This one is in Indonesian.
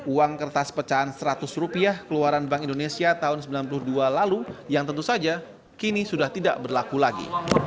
uang kertas pecahan seratus rupiah keluaran bank indonesia tahun seribu sembilan ratus sembilan puluh dua lalu yang tentu saja kini sudah tidak berlaku lagi